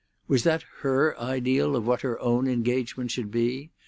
Was that her ideal of what her own engagement should be?